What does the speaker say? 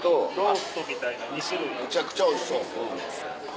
めちゃくちゃおいしそう。